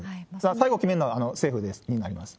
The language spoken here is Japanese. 最後決めるのは政府になります。